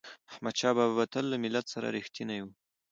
احمدشاه بابا به تل له ملت سره رښتینی و.